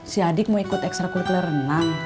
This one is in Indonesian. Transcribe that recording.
si adik mau ikut ekstra kulit lerenang